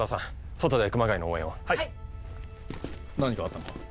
外で熊谷の応援をはい何かあったのか？